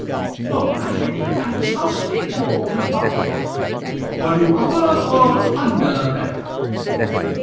"No, I hadn't; I was housemaid at Orley Farm." "Were you upper or under there?"